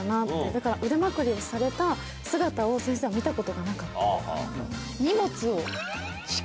ってだから腕まくりされた姿を先生は見たことがなかった。